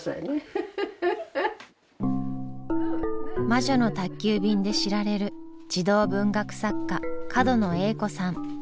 「魔女の宅急便」で知られる児童文学作家角野栄子さん８７歳。